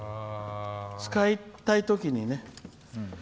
使いたいときにね。